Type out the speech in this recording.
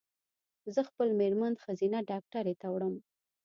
زه خپل مېرمن ښځېنه ډاکټري ته وړم